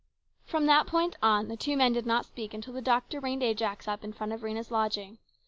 From that point the two men did not speak until the doctor reined Ajax up in front of Rhena's lodging.